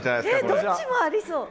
どっちもありそう。